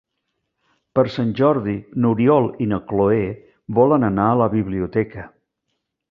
Per Sant Jordi n'Oriol i na Cloè volen anar a la biblioteca.